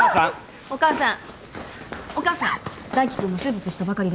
お母さん！